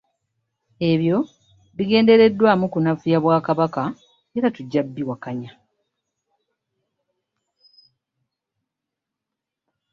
Ebyo bigendereddwamu kunafuya Bwakabaka era tujja kubiwakanya.